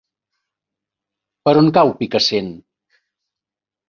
Per on cau Picassent?